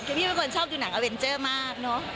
คือพี่ไม่ควรชอบดูหนังอเวนเจอร์มาก